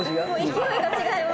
勢いが違います。